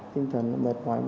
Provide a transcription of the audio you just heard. tinh thần mệt ngoài